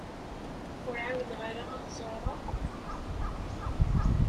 Ur ɛawdeɣ ara ad t-ẓreɣ akk.